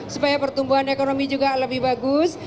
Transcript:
supaya pertumbuhan ekonomi juga lebih bagus